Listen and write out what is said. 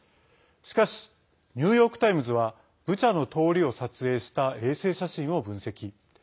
しかしニューヨーク・タイムズはブチャの通りを撮影した衛星写真を分析。